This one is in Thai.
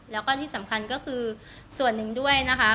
แล้วก็ที่สำคัญก็คือส่วนหนึ่งด้วยนะคะ